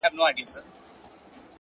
د تجربې اغېز له کتابونو ژور وي؛